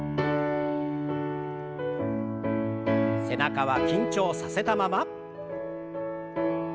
背中は緊張させたまま。